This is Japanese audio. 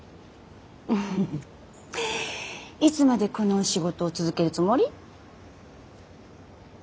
いつまでこのお仕事を続けるつもり？